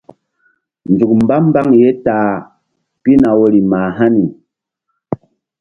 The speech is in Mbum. Nzuk mba mbaŋ ye ta a pihna woyri mah hani.